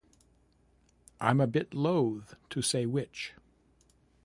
I'm a bit loath to say which!